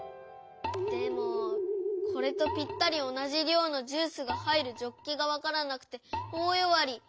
でもこれとぴったりおなじりょうのジュースが入るジョッキがわからなくておおよわり。